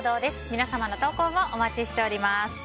皆様の投稿をお待ちしております。